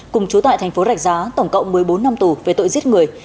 cùng chú tại thành phố rạch giá tổng cộng một mươi bốn năm tù về tội giết người